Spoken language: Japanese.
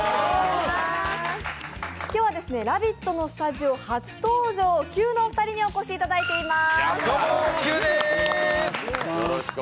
今日は「ラヴィット！」のスタジオ初登場、キュウのお二人にお越しいただいています。